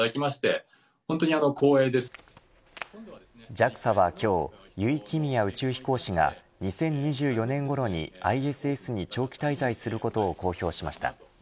ＪＡＸＡは今日油井亀美也宇宙飛行士が２０２４年ごろにＩＳＳに長期滞在することを公表しました。